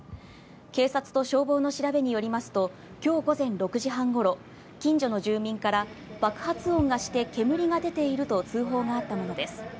警察と消防の調べによりますと、今日午前６時半頃、近所の住民から爆発音がして、煙が出ていると通報があったものです。